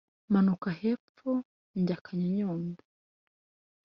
Manuka hepfo njya Kanyonyomba